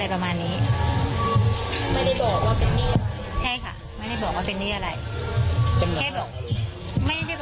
คุยได้ยินได้ยินน้องแบบเล่าใจให้ฟังใช่ไหมว่าก็คือแบบ